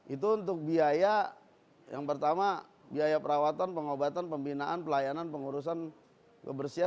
itu untuk biaya yang pertama biaya perawatan pengobatan pembinaan pelayanan pengurusan kebersihan